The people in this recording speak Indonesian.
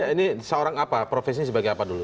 ini seorang apa profesi sebagian apa